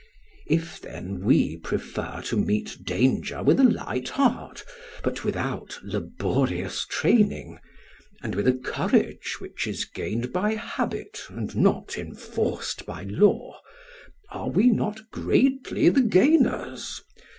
"If then we prefer to meet danger with a light heart but without laborious training, and with a courage which is gained by habit and not enforced by law, are we not greatly the gainers?